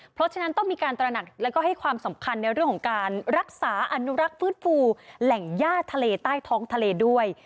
เพราะฉะนั้นต้องมีการตระหนักแล้วก็ให้ความสำคัญในเรื่องของการรักษาอนุรักษ์ฟื้นฟูแหล่งย่าทะเลใต้ท้องทะเลด้วย